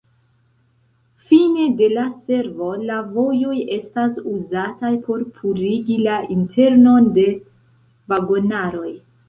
Fine de la servo, la vojoj estas uzataj por purigi la internon de vagonaroj.